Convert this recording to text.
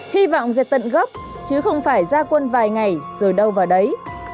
hy vọng diệt tận gốc chứ không phải ra quân vài ngày rồi đâu vào đấy